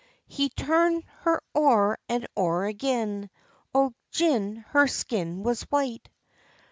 He turn'd her o'er and o'er again, Oh, gin her skin was white!